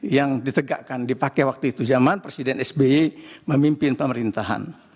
yang ditegakkan dipakai waktu itu zaman presiden sby memimpin pemerintahan